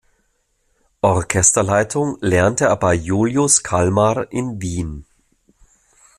Orchesterleitung lernte er bei Julius Kalmar in Wien.